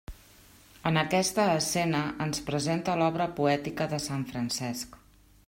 En aquesta escena, ens presenta l'obra poètica de sant Francesc.